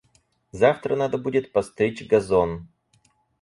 Завтра надо будет постричь газон.